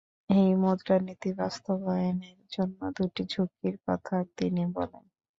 এই মুদ্রানীতি বাস্তবায়নের জন্য দুটি ঝুঁকির কথা তিনি বলেন।